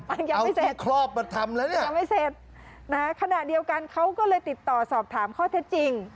ยังไม่เสร็จยังไม่เสร็จนะฮะขณะเดียวกันเขาก็เลยติดต่อสอบถามข้อเท็จจริง